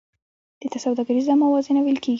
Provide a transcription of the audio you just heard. دې ته سوداګریزه موازنه ویل کېږي